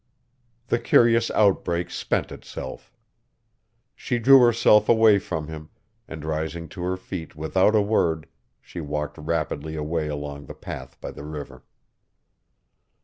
The curious outbreak spent itself. She drew herself away from him, and rising to her feet without a word she walked rapidly away along the path by the river.